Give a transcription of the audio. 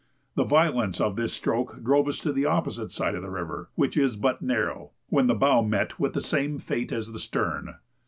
The violence of this stroke drove us to the opposite side of the river, which is but narrow, when the bow met with the same fate as the stern.